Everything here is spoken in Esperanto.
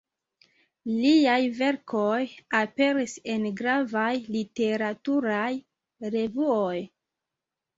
Liaj verkoj aperis en gravaj literaturaj revuoj.